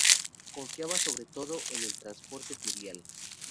Confiaban sobre todo en el transporte fluvial.